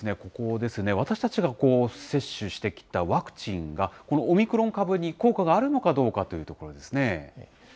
気になるのは、ここですね、私たちが、接種してきたワクチンが、このオミクロン株に効果があるのかどうかというところですね。